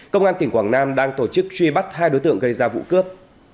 công an tỉnh quảng nam đang tổ chức truy bắt hai đối tượng gây ra vụ cướp